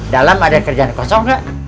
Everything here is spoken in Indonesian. dalam ada kerjaan kosong nggak